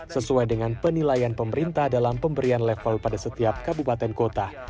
sesuai dengan penilaian pemerintah dalam pemberian level pada setiap kabupaten kota